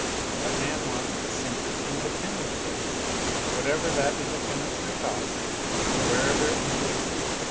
What man wants is simply independent choice, whatever that inde pendence may cost and wherever it may lead.